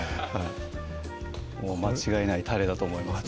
もう間違いないたれだと思います